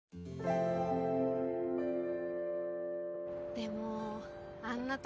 でもあんな所で。